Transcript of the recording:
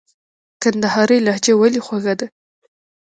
کندهارۍ لهجه ولي خوږه ده ؟